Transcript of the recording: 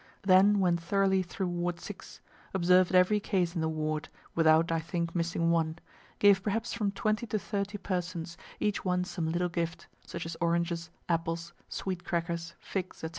Then went thoroughly through ward 6, observ'd every case in the ward, without, I think, missing one; gave perhaps from twenty to thirty persons, each one some little gift, such as oranges, apples, sweet crackers, figs, &c.